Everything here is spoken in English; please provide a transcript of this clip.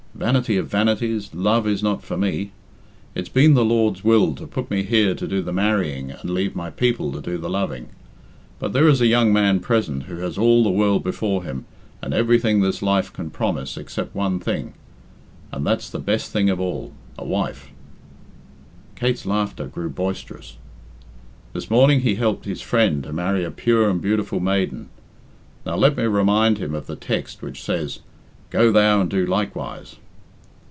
Vanity of vanities, love is not for me. It's been the Lord's will to put me here to do the marrying and leave my people to do the loving. But there is a young man present who has all the world before him and everything this life can promise except one thing, and that's the best thing of all a wife." (Kate's laughter grew boisterous.) "This morning he helped his friend to marry a pure and beautiful maiden. Now let me remind him of the text which says, 'Go thou and do likewise.'"